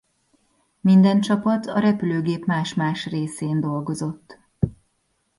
Minden csapat a repülőgép más-más részén dolgozott.